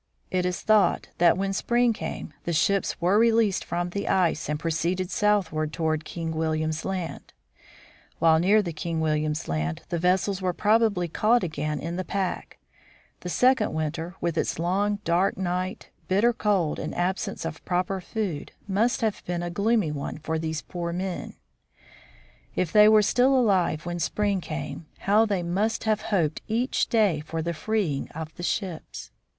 It is thought that when spring came, the ships were released from the ice and proceeded southward toward King William's Land. While near to King William's Land the vessels were probably again caught in the pack. The second winter, with its long, dark night, bitter cold, and absence of proper food, must have been a gloomy one for these poor men. 28 THE FROZEN NORTH If they were still alive when spring came, how they must have hoped each day for the freeing of the ships